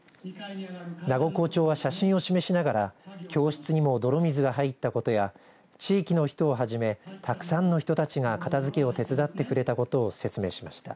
名古校長は写真を示しながら教室にも泥水が入ったことや地域の人をはじめたくさんの人たちが片づけを手伝ってくれたことを説明しました。